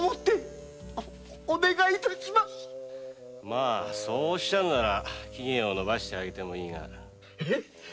まそうおっしゃるなら期限を延ばしてもいいが。